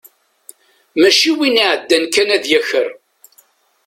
Mačči win iɛeddan kan ad yaker.